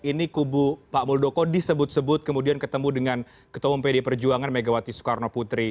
ini kubu pak muldoko disebut sebut kemudian ketemu dengan ketua mpd perjuangan megawati soekarno putri